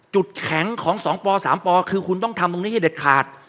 จุดแข็งของ๒ป๓ปคือคุณต้องทำตรงนี้ให้เด็ดขาด